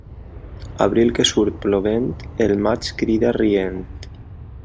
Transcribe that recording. Abril que surt plovent, el maig crida rient.